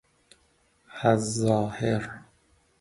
از ظاهر